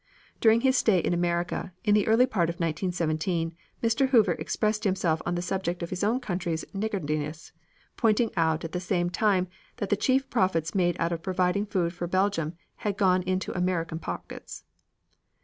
During his stay in America, in the early part of 1917, Mr. Hoover expressed himself on the subject of his own country's niggardliness, pointing out at the same time that the chief profits made out of providing food for Belgium had gone into American pockets.